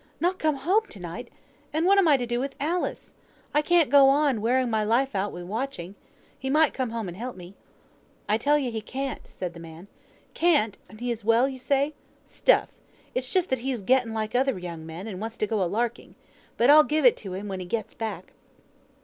'" "Not come home to night! And what am I to do with Alice? I can't go on, wearing my life out wi' watching. He might come and help me." "I tell you he can't," said the man. "Can't; and he is well, you say? Stuff! It's just that he's getten like other young men, and wants to go a larking. But I'll give it him when he comes back."